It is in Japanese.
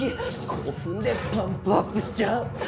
こうふんでパンプアップしちゃう。